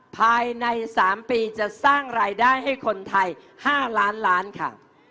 ภายใน๓ปีจะสร้างรายได้ให้คนไทย๕ล้านล้านค่ะ